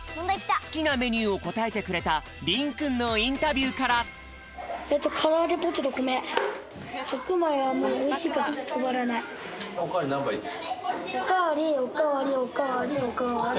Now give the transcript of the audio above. すきなメニューをこたえてくれたりんくんのインタビューからおかわりなんばいいける？